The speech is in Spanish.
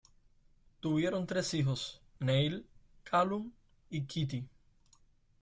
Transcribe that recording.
Tuvieron tres hijos: Neill, Calum, y Kitty.